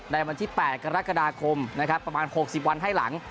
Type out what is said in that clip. ในวันที่๘กรกฎาคมนะครับประมาณ๖๐วันให้หลัง